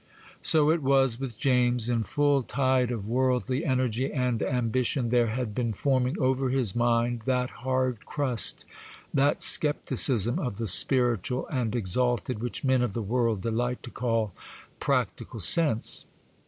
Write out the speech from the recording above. So it was with James: in full tide of worldly energy and ambition there had been forming over his mind that hard crust—that scepticism of the spiritual and exalted which men of the world delight to call practical sense.